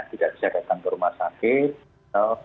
tidak bisa datang ke rumah sakit atau